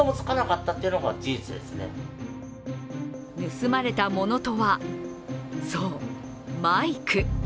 盗まれたものとは、そう、マイク。